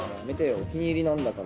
お気に入りなんだから。